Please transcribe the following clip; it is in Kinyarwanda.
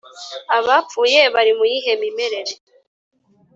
Abapfuye bari mu yihe mimerere?